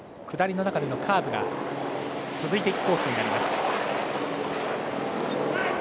下りの中でのカーブが続いていくコースになります。